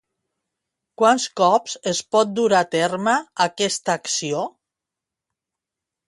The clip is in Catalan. Quants cops es pot dur a terme aquesta acció?